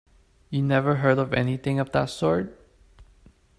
You never heard of anything of that sort?